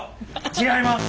違います。